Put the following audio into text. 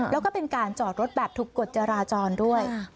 แล้วก็เป็นการจอดรถแบบถูกกฎจราจรด้วย